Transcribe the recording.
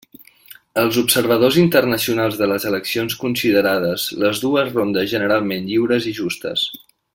Els observadors internacionals de les eleccions considerades les dues rondes generalment lliures i justes.